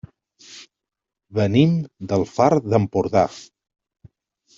Venim del Far d'Empordà.